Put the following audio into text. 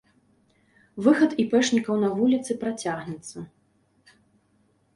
Выхад іпэшнікаў на вуліцы працягнецца.